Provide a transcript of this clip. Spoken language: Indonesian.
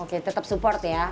oke tetap support ya